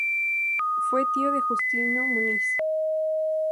Fue tío de Justino Muniz.